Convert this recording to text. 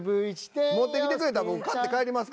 持って来てくれたら僕買って帰りますから。